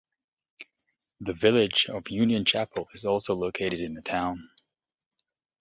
The village of Union Chapel is also located in the town.